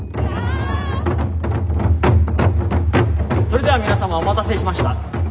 それでは皆様お待たせしました。